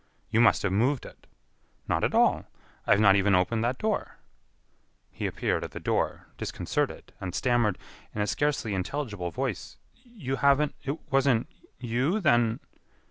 "You must have moved it." "Not at all. I have not even opened that door." He appeared at the door, disconcerted, and stammered, in a scarcely intelligible voice: "You haven't....It wasn't you?....Then...."